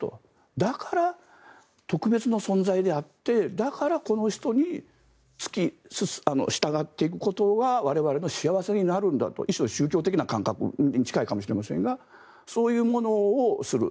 だから、特別な存在であってだからこの人に付き従っていくことが我々の幸せになるんだと一種の宗教的な感覚かもしれませんがそういうものをする。